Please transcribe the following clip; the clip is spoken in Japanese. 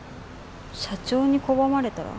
社長に拒まれたら？